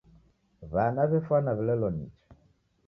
W'ana w'efwana w'ilelo nicha.